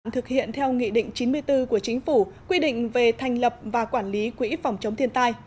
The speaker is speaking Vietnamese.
thực hiện theo nghị định chín mươi bốn của chính phủ quy định về thành lập và quản lý quỹ phòng chống thiên tai